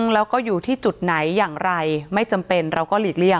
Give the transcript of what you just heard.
แล้วก็อยู่ที่จุดไหนอย่างไรไม่จำเป็นเราก็หลีกเลี่ย